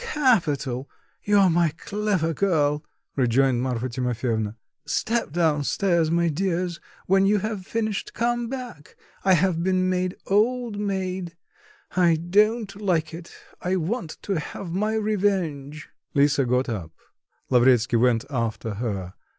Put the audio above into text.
"Capital; you're my clever girl," rejoined Marfa Timofyevna. "Step down stairs, my dears; when you have finished, come back: I have been made old maid, I don't like it, I want to have my revenge." Lisa got up. Lavretsky went after her.